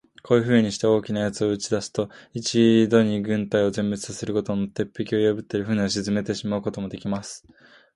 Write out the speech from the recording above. こういうふうにして、大きな奴を打ち出すと、一度に軍隊を全滅さすことも、鉄壁を破ったり、船を沈めてしまうこともできます。